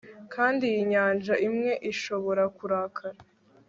kandi iyi nyanja imwe, irashobora kurakara